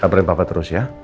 kabarin papa terus ya